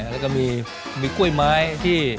แล้วก็มีกล้วยไม้ที่